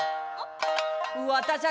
「わたしゃ